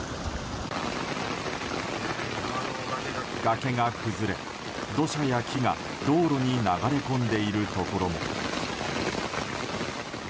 崖が崩れ、土砂や木が道路に流れ込んでいるところも。